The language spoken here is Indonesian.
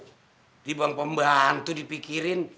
ini bang pembantu dipikirin